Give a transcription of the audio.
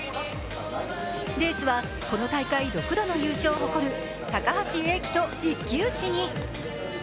レースはこの大会６度の優勝を誇る高橋英輝と一騎打ちに。